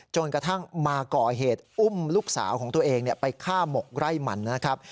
จนกระทั่งมาก่อเหตุอุ้มลูกสาวของตัวเองไปฆ่าหมกไร่มันนะครับ